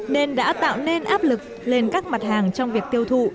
nên đã tạo nên áp lực lên các mặt hàng trong việc tiêu thụ